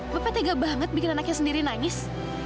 bapak tega banget bikin anaknya sendiri nangis